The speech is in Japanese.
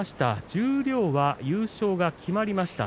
十両は優勝が決まりました。